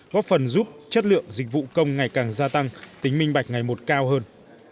góp phần giúp chất lượng dịch vụ công ngày càng gia tăng tính minh bạch ngày một cao hơn